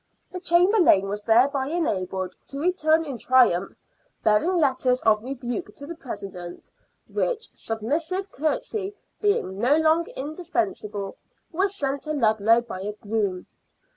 The Chamberlain was thereby enabled to return in triumph, bearing letters of rebuke to the President, which — submissive courtesy being no longer indispensable — were sent to Ludlow by a groom.